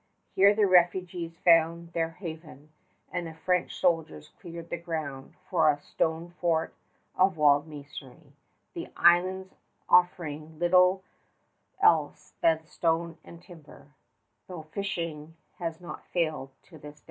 Here the refugees found their haven, and the French soldiers cleared the ground for a stone fort of walled masonry, the islands offering little else than stone and timber, though the fishing has not failed to this day.